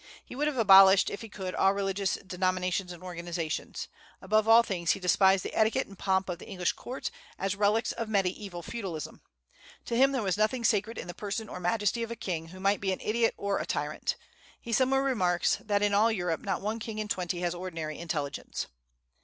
He would have abolished if he could, all religious denominations and organizations. Above all things he despised the etiquette and pomp of the English Court, as relics of mediaeval feudalism. To him there was nothing sacred in the person or majesty of a king, who might be an idiot or a tyrant. He somewhere remarks that in all Europe not one king in twenty has ordinary intelligence.